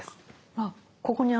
あっここにあるわ。